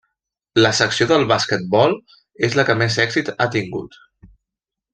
La secció del basquetbol és la que més èxits ha tingut.